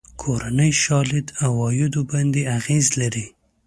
کورنۍ شالید عوایدو باندې اغېز لري.